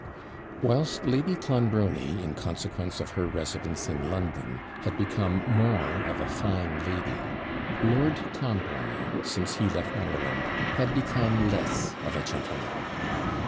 Whilst Lady Clonbrony, in consequence of her residence in London, had become more of a fine lady, Lord Clonbrony, since he left Ireland, had become less of a gentleman.